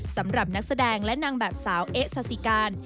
สำหรับนักแสดงและนางแบบสาวเอ๊ะซาซิการ